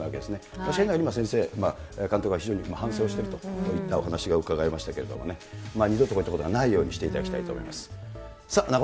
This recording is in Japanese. そういう意味では先生、監督は非常に反省をしているといったお話が伺えましたけれどもね、二度とこういったことがないようにしていただきたいです。